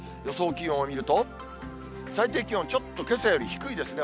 気温を見ると、最低気温、ちょっとけさより低いですね。